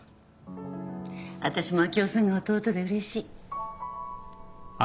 私も明生さんが弟でうれしい。